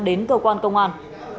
đến cơ quan công an